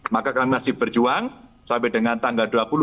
maka kami masih berjuang sampai dengan tanggal dua puluh